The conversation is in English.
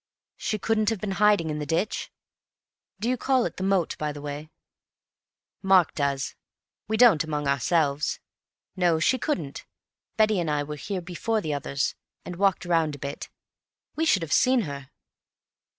"She couldn't have been hiding in the ditch? Do you call it the moat, by the way?" "Mark does. We don't among ourselves. No, she couldn't. Betty and I were here before the others, and walked round a bit. We should have seen her."